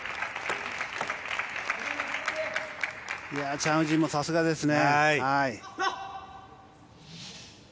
チャン・ウジンもさすがですね。